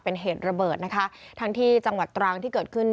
เป็นเหตุระเบิดที่จังหวัดตรางที่เหยิดขึ้น